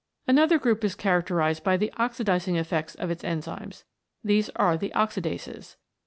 Another group is characterised by the oxidising effects of its enzymes. These are the Oxidases.